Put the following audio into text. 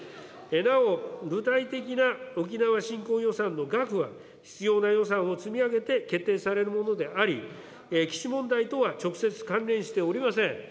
なお具体的な沖縄振興予算の額は必要な予算を積み上げて決定されるものであり、基地問題とは直接関連しておりません。